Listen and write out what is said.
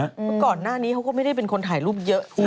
แต่ว่าในวันนี้เขาก็ไม่ได้เป็นคนถ่ายรูปเยอะทุก